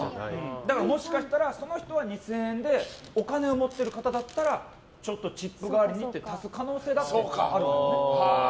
だから、もしかしたらその人は２０００円でお金を持っている方だったらちょっと、チップ代わりにって足す可能性だってあるわよね。